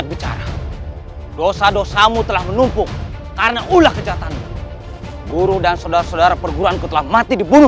gara kejutan guru dan saudara saudara perguruan canceled